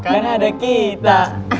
karena ada kita